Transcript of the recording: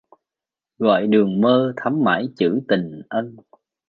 Gợi đường mơ thắm mãi chữ tình ân